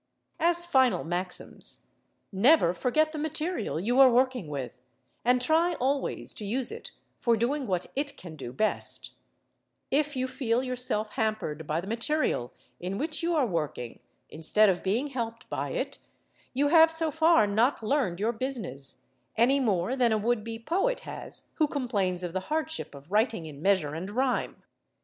As final maxims: never forget the material you are working with, and try always to use it for doing what it can do best: if you feel yourself hampered by the material in which you are working, instead of being helped by it, you have so far not learned your business, any more than a would be poet has, who complains of the hardship of writing in measure and rhyme.